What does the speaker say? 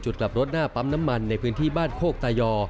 กลับรถหน้าปั๊มน้ำมันในพื้นที่บ้านโคกตายอ